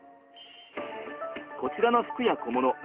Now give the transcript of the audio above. こちらの服や小物。